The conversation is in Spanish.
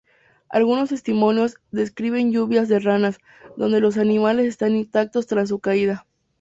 Algunos testimonios describen lluvias de ranas, donde los animales están intactos tras su caída.